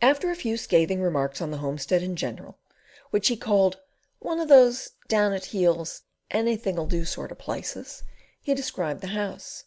After a few scathing remarks on the homestead in general, which he called "One of those down at the heels, anything 'll do sort of places," he described The House.